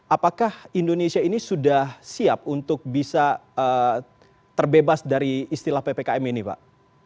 apakah indonesia ini sudah siap untuk bisa terbebas dari istilah ppkm ini pak